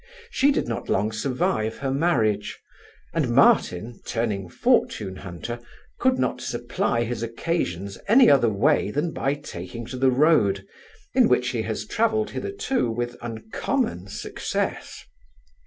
She did not long survive her marriage; and Martin, turning fortune hunter, could not supply his occasions any other way, than by taking to the road, in which he has travelled hitherto with uncommon success.